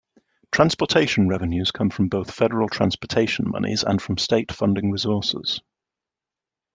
Transportation revenues come from both federal transportation monies and from state funding resources.